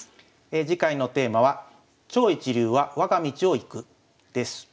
次回のテーマは「超一流はわが道を行く」です。